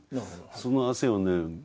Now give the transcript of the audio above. その汗をね